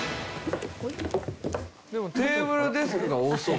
でもテーブル・デスクが多そう。